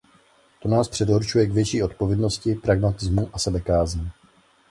To nás předurčuje k větší odpovědnosti, pragmatismu a sebekázni.